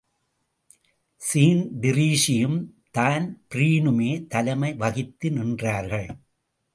Sean டிரீஸியும், தான்பிரீனுமே தலைமை வகித்து நின்றார்கள்.